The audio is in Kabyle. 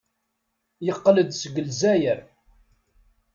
Yeqqel-d seg Lezzayer.